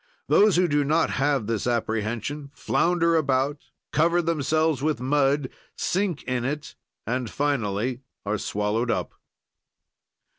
Those who do not have this apprehension flounder about, cover themselves with mud, sink in it and finally are swallowed up.